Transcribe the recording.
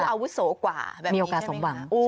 ชูอาวุศกว่าแบบนี้ใช่ไหมคะมีโอกาสสมบัง